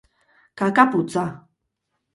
kaka putza!